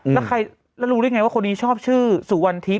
แล้วรู้ได้ยังไงว่าคนนี้ชอบชื่อสุวรรณทิพย์